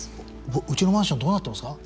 うちのマンションどうなってますか？